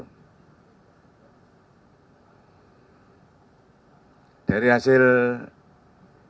dari hasil pemeriksaan juga bahwa ya itu ya ini ini itu yang itu ya itu